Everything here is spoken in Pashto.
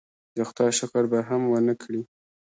د خدای شکر به هم ونه کړي.